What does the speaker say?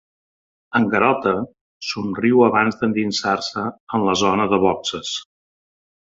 En Garota somriu abans d'endinsar-se en la zona de boxes.